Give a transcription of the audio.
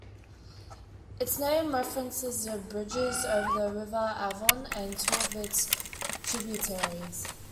Its name references the bridges over the River Avon and two of its tributaries.